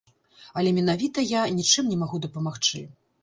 Але менавіта я нічым не магу дапамагчы.